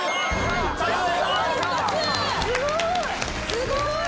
すごーい！